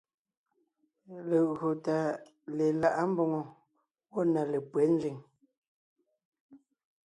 Legÿo tà lelaʼá mbòŋo gwɔ̂ na lépÿɛ́ nzẅìŋ.